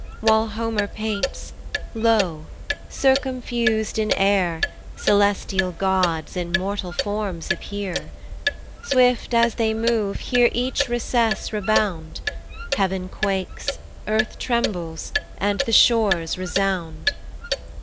While Homer paints, lo! circumfus'd in air, Celestial Gods in mortal forms appear; Swift as they move hear each recess rebound, Heav'n quakes, earth trembles, and the shores resound.